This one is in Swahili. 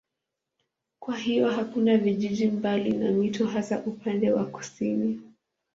Kwa hiyo hakuna vijiji mbali na mito hasa upande wa kusini.